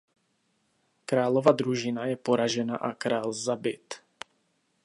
Králova družina je poražena a král zabit.